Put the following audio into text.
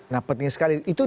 nah penting sekali